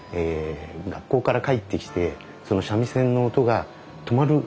学校から帰ってきてその三味線の音が止まる頃にですね